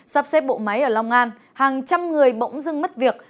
sắp xếp bộ máy ở long an hàng trăm người bỗng dưng mất việc